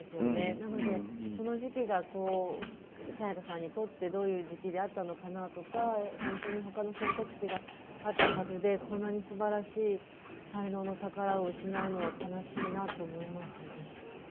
なので、その時期が沙也加さんにとってどういう時期であったのかなとか本当に他の選択肢があったはずでこんなに素晴らしい才能の宝を失うのは悲しいなと思います。